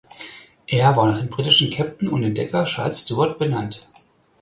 Er war nach dem britischen Kapitän und Entdecker Charles Sturt benannt.